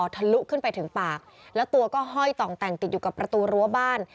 ทะลุขึ้นไปถึงปากแล้วตัวก็ห้อยต่องแต่งติดอยู่กับประตูรั้วบ้าน